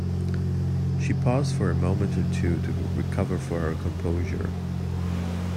She paused for a moment or two to recover her composure.